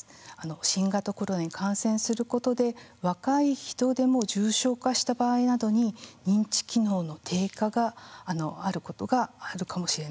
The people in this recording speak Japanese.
新型コロナに感染することで若い人でも重症化した場合などに認知機能の低下があることがあるかもしれないということです。